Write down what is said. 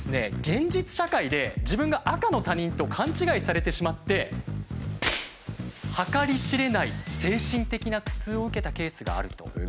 現実社会で自分が赤の他人と勘違いされてしまって計り知れない精神的な苦痛を受けたケースがあるということなんです。